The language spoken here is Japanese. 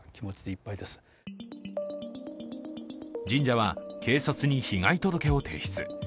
神社は警察に被害届を提出。